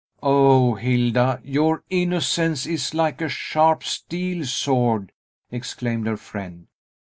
"O Hilda, your innocence is like a sharp steel sword!" exclaimed her friend.